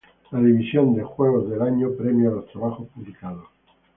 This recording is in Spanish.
La "División de Juegos del Año" premia los trabajos publicados.